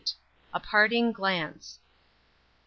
A PARTING GLANCE. DR.